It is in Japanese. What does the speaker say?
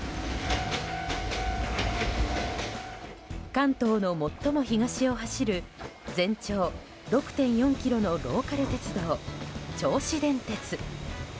関東の最も東を走る全長６．４ｋｍのローカル鉄道銚子電鉄。